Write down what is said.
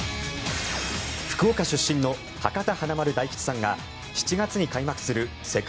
福岡出身の博多華丸・大吉さんが７月に開幕する世界